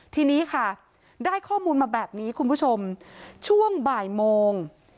ทีนี้ค่ะได้ข้อมูลมาแบบนี้คุณผู้ชมช่วงบ่ายโมง